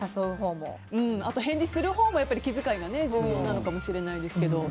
あと返事をするほうも気遣いが重要なのかもしれないですけど。